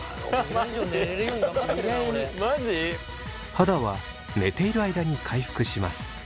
肌は寝ている間に回復します。